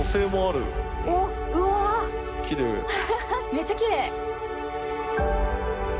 めっちゃきれい！